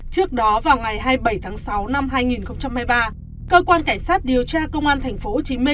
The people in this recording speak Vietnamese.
trước đó vào ngày hai mươi bảy tháng sáu năm hai nghìn hai mươi ba cơ quan cảnh sát điều tra công an tp hcm